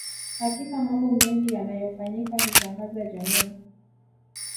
Hakika mambo mengi yanayofanyika hushangaza jamii